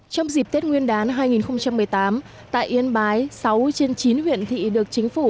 trong dịp tết nguyên đán hai nghìn một mươi tám tại yên bái sáu trên chín huyện thị được chính phủ